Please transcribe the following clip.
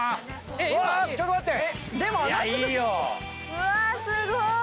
うわっすごーい！